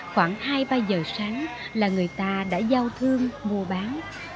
khoảng hai ba giờ sáng là người ta đã giao thương mua bán